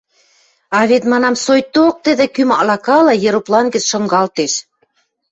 — А вет, манам, соикток тӹдӹ кӱ маклакала ероплан гӹц шынгалтеш.